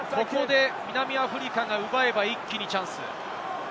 南アフリカが奪えば一気にチャンス。